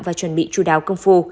và chuẩn bị chú đáo công phu